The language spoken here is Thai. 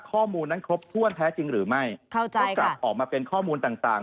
ข้อมูลนั้นครบถ้วนแท้จริงหรือไม่เข้าใจก็กลับออกมาเป็นข้อมูลต่างต่าง